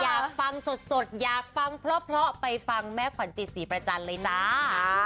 อยากฟังสดอยากฟังเพราะไปฟังแม่ขวัญจิตศรีประจันทร์เลยจ้า